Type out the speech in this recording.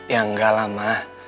ya enggak lah ma